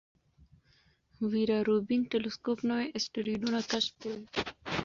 ویرا روبین ټیلسکوپ نوي اسټروېډونه کشف کړل.